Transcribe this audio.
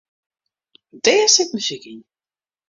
Dêr sit muzyk yn.